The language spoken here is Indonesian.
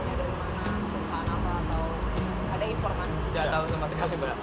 tidak tahu sama sekali mbak